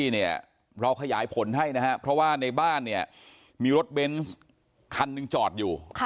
เนี่ยเราขยายผลให้นะครับเพราะว่าในบ้านเนี่ยมีรถเบนส์คันหนึ่งจอดอยู่